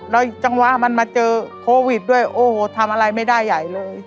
แล้วจังหวะมันมาเจอโควิดด้วยโอ้โหทำอะไรไม่ได้ใหญ่เลย